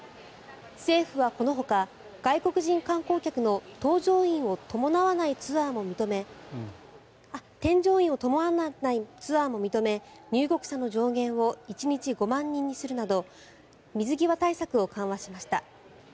政府はこのほか、外国人観光客の添乗員を伴わないツアーも認め入国者の上限を１日５万人にするなど水際対策を緩和しました。